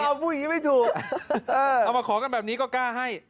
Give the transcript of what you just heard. ว่าเอาผู้หญิงไม่ถูกเอามาขอกันแบบนี้ก็กล้าให้